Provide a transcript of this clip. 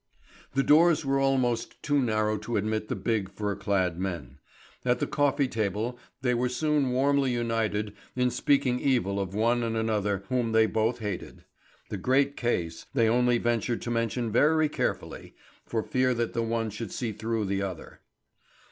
The doors were almost too narrow to admit the big, fur clad men. At the coffee table they were soon warmly united in speaking evil of one and another whom they both hated. The great case they only ventured to mention very carefully, for fear that the one should see through the other.